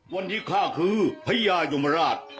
วันนี้ข้าคือพญายมราช